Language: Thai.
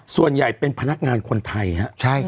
ส่วนใหญ่เป็นพนักงานคนไทยครับ